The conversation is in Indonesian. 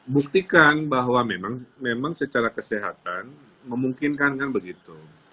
buktikan bahwa memang secara kesehatan memungkinkan kan begitu